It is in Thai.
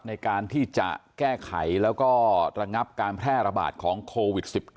ในการที่จะแก้ไขแล้วก็ระงับการแพร่ระบาดของโควิด๑๙